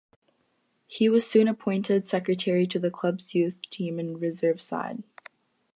He was soon appointed secretary to the club's youth team and reserve side.